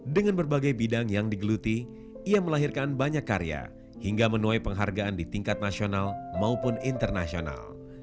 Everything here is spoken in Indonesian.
dengan berbagai bidang yang digeluti ia melahirkan banyak karya hingga menuai penghargaan di tingkat nasional maupun internasional